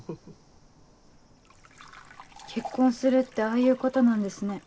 結婚するってああいうことなんですね。